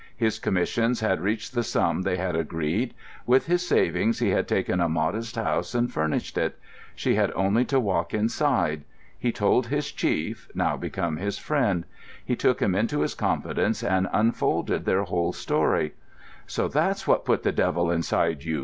His commissions had reached the sum they had agreed; with his savings he had taken a modest house and furnished it. She had only to walk inside. He told his chief, now become his friend; he took him into his confidence and unfolded their whole story. "So that's what put the devil inside you!"